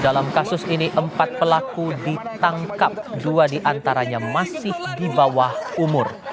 dalam kasus ini empat pelaku ditangkap dua diantaranya masih di bawah umur